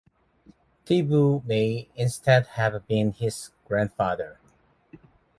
Thibaud may instead have been his grandfather.